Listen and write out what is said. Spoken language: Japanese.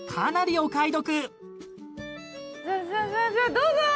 どうぞ！